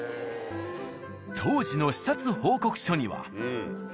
当時の視察報告書には。